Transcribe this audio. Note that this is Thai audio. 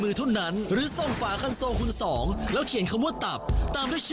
เอาลุ้นกันว่าครั้งนี้จะเป็นของภาพใด